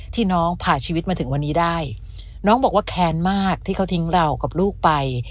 ที่น้องผ่าชีวิตมาถึงวันนี้ได้น้องบอกว่าแค้นมากที่เขาทิ้งเรากับลูกไป